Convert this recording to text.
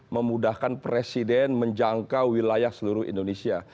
memudahkan presiden menjangkau wilayah seluruh indonesia